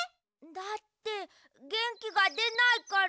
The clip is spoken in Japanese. だってげんきがでないから。